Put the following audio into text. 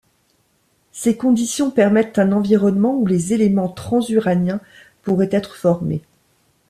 Ces conditions permettent un environnement où les éléments transuraniens pourraient être formés.